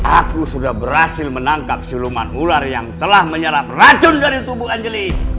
aku sudah berhasil menangkap siluman ular yang telah menyerap racun dari tubuh angeli